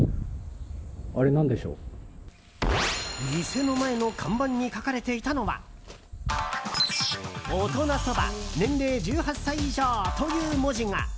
店の前の看板に書かれていたのは「大人そば」という文字が！